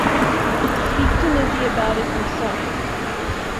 Speak to Lizzy about it yourself.